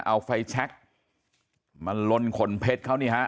เอาไฟแชคมาลนขนเพชรเขานี่ฮะ